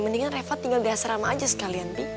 mendingan reva tinggal di asrama aja sekalian pi